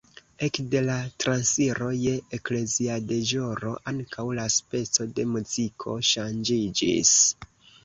Ekde la transiro je ekleziadeĵoro ankaŭ la speco de muziko ŝanĝiĝis.